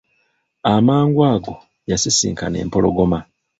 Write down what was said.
Amangu ago, yasisinkana empologoma!